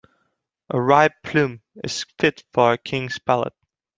A ripe plum is fit for a king's palate.